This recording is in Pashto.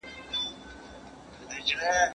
هغه غوښه چې نن په کور کې پخه شوه، خوندوره وه.